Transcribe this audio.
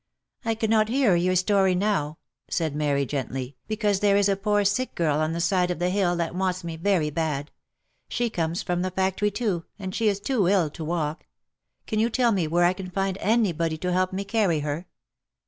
" I cannot hear your story now," said Mary, gently, " because there is a poor sick girl on the side of the hill that wants me very bad — she comes from the factory too, and she is too ill to walk — can you tell me where I can find any body to help me carry her?"